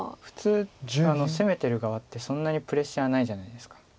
普通攻めてる側ってそんなにプレッシャーないじゃないですか。